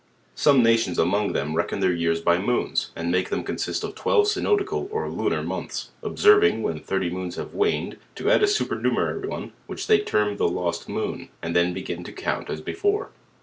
Some nations among them reckon their years by moons, and makes them consist of twelve synod ical or lunar months, observing, when thirty moons have waned, to add a super numerary one, which they term the Lost Moon; and then begin to count as before.